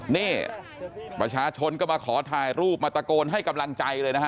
นี่ประชาชนก็มาขอถ่ายรูปมาตะโกนให้กำลังใจเลยนะฮะ